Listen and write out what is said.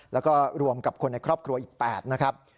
แล้วก็รวมกับคนในครอบครัวอีก๘นะครับ